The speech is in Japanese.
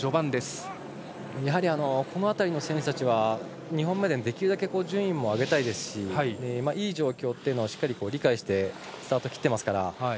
この辺りの選手たちは２本目でできるだけ順位も上げたいですしいい状況というのはしっかり理解してスタート切ってますから。